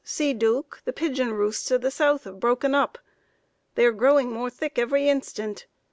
see, Duke, the pigeon roosts of the south have broken up! They are growing more thick every instant.